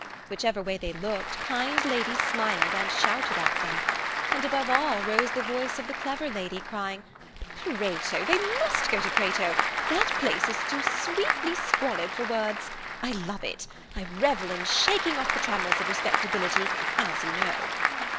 Whichever way they looked, kind ladies smiled and shouted at them. And above all rose the voice of the clever lady, crying: "Prato! They must go to Prato. That place is too sweetly squalid for words. I love it; I revel in shaking off the trammels of respectability, as you know."